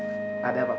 maaf pak ada apa pak